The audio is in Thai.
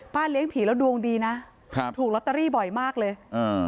เลี้ยงผีแล้วดวงดีนะครับถูกลอตเตอรี่บ่อยมากเลยอ่า